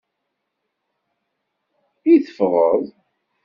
I teffɣeḍ?